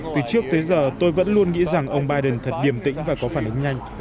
từ trước tới giờ tôi vẫn luôn nghĩ rằng ông biden thật điểm tĩnh và có phản ứng nhanh